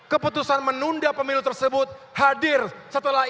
keputusan menunda pemilu tersebut hadir setelah ini